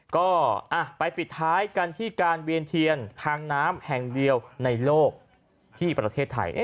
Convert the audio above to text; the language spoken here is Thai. ก็ไปปิดท้ายกันที่การเวียนเทียนทางน้ำแห่งเดียวในโลกที่ประเทศไทย